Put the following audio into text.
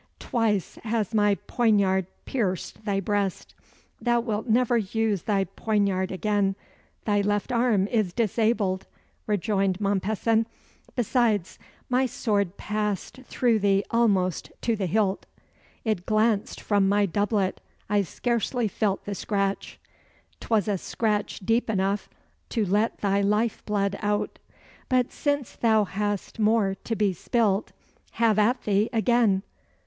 Twice has my poignard pierced thy breast." "Thou wilt never use thy poignard again. Thy left arm is disabled," rejoined Mompesson "besides, my sword passed through thee almost to the hilt." "It glanced from my doublet: I scarcely felt the scratch." "'Twas a scratch deep enough to let thy life blood out. But since thou hast more to be spilt, have at thee again!"